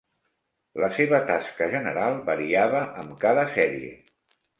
La seva tasca general variava amb cada sèrie.